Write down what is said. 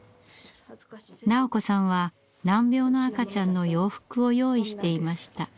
斉子さんは難病の赤ちゃんの洋服を用意していました。